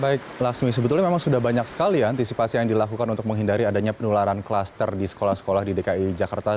baik laksmi sebetulnya memang sudah banyak sekali antisipasi yang dilakukan untuk menghindari adanya penularan klaster di sekolah sekolah di dki jakarta